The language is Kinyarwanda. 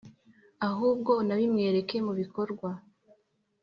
ahubwo unabimwereke mu bikorwa.